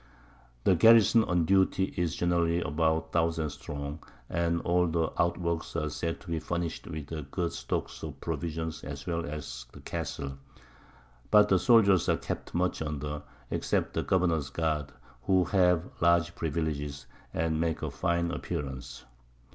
The Garrison on Duty is generally about 1000 strong, and all the Out works are said to be furnish'd with a good Stock of Provisions as well as the Castle; but the Soldiers are kept much under, except the Governour's Guards, who have large Privileges, and make a fine Appearance.